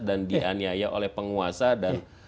dan dianiaya oleh penguasa dan